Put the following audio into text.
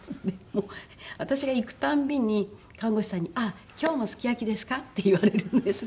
もう私が行く度に看護師さんに「あっ今日もすき焼きですか？」って言われるんです。